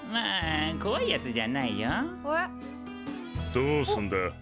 どうすんだ。